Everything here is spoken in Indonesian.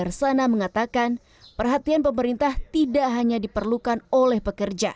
hersana mengatakan perhatian pemerintah tidak hanya diperlukan oleh pekerja